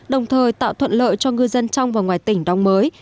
đồng thời tạo thuận lợi cho ngư dân trong và ngoài tỉnh đóng mới